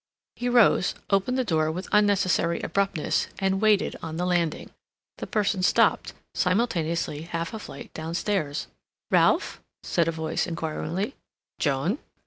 He rose, opened the door with unnecessary abruptness, and waited on the landing. The person stopped simultaneously half a flight downstairs. "Ralph?" said a voice, inquiringly. "Joan?"